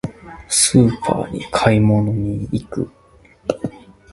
スーパーに買い物に行く。